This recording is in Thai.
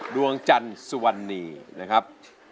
ดวงจันทร์สวันนีครับ